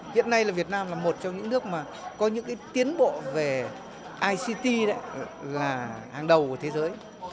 hiện nay là việt nam là một trong những nước mà có những tiến bộ về ict là hàng đầu của thế giới